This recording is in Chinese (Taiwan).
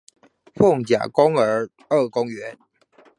鳳甲公兒二公園